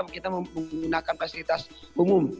kita menggunakan fasilitas umum